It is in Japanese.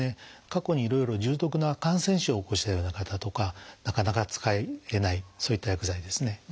過去にいろいろ重篤な感染症を起こしたような方とかなかなか使えないそういった薬剤ですね。